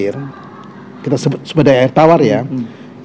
itu juga dihadapkan pada peningkatan kebutuhan yang juga sangat ekstrim sekali